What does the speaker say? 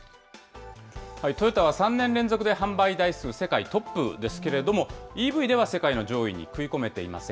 トヨタは３年連続で販売台数世界トップですけれども、ＥＶでは世界の上位に食い込めていません。